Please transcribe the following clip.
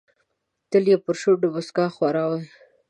تل یې پر شونډو موسکا خوره وي.